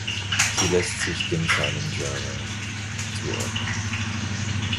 Sie lässt sich dem Seinen-Genre zuordnen.